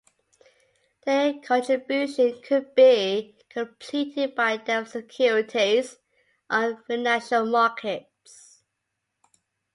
Their contribution could be completed by debt securities on financial markets.